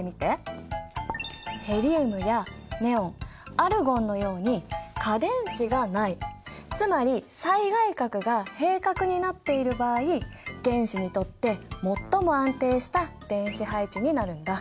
ヘリウムやネオンアルゴンのように価電子がないつまり最外殻が閉殻になっている場合原子にとってもっとも安定した電子配置になるんだ。